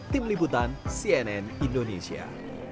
tim liputan cnn indonesia